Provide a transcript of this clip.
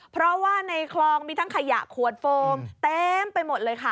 เพราะว่าในคลองมีทั้งขยะขวดโฟมเต็มไปหมดเลยค่ะ